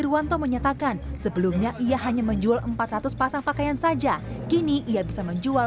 irwanto menyatakan sebelumnya ia hanya menjual empat ratus pasang pakaian saja kini ia bisa menjual